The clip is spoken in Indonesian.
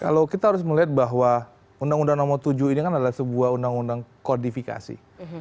kalau kita harus melihat bahwa undang undang nomor tujuh ini kan adalah sebuah undang undang kodifikasi